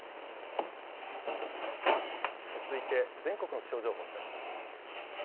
続いて全国の気象情報をお伝えします。